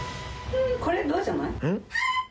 これドじゃない？